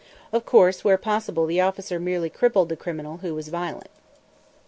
Of course where possible the officer merely crippled the criminal who was violent.